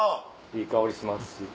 いい香りしますし。